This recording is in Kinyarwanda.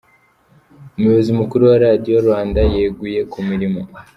Umuyobozi mukuru wa Radiyo rwanda yeguye ku mirimo